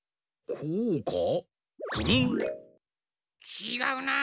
ちがうな。